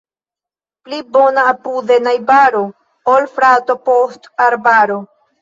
Pli bona apude najbaro, ol frato post arbaro.